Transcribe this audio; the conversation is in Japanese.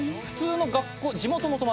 普通の学校。